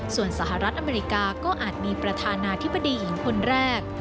ส่วนสหรัฐอเมริกาก็อาจมีประธานาธิบดีหญิงคนแรก